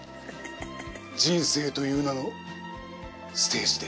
人生という名のステージで。